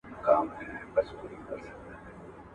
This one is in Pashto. زه مخکي کتابونه وړلي وو!